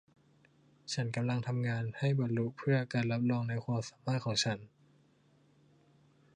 ฉันกำลังทำงานให้บรรลุเพื่อการรับรองในความสามารถของฉัน